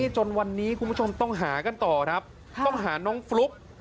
จนวันนี้คุณผู้ชมต้องหากันต่อครับต้องหาน้องฟลุ๊ก